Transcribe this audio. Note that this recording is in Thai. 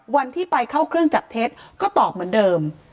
วันที่ไปเข้าเครื่องจับเท็จก็ตอบเหมือนเดิม